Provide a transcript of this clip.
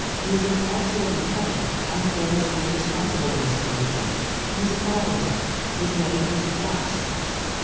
He is an excellent mechanic, and almost indispensable in this community. He is a carpenter. His name is Bass."